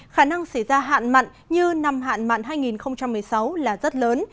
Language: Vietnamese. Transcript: khả năng xảy ra hạn mặn như năm hạn mặn hai nghìn một mươi sáu là rất lớn